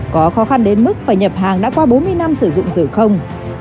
có khó khăn đến mức phải nhập hàng đã qua bốn mươi năm sử dụng rửa không